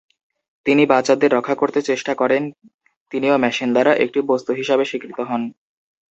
তিনি বাচ্চাদের রক্ষা করতে চেষ্টা করেন, তিনিও মেশিন দ্বারা একটি "বস্তু" হিসাবে স্বীকৃত হন।